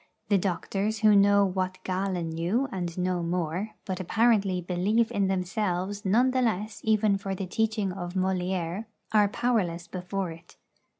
The doctors, who know what Galen knew and no more, but apparently believe in themselves none the less even for the teaching of Molière, are powerless before it.